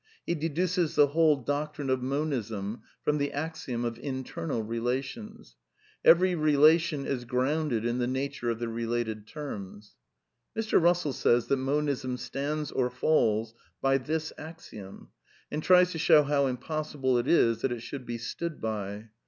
He deduces the whole doctrine of Monism from the axiom of internal relations :" Every relation is grounded in the nature of the related terms." Mr. Russell says that Monism stands or falls by this axiom, and tries to show how impossible it is that it should be stood by.